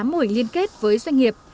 một mươi tám mô hình liên kết với doanh nghiệp